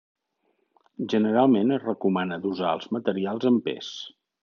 Generalment es recomana dosar els materials en pes.